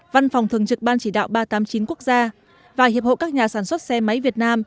văn phòng thường trực ban chỉ đạo ba trăm tám mươi chín quốc gia và hiệp hội các nhà sản xuất xe máy việt nam